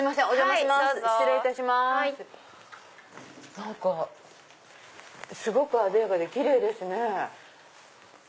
何かすごくあでやかでキレイですね。